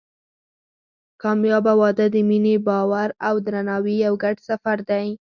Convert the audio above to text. کامیابه واده د مینې، باور او درناوي یو ګډ سفر دی.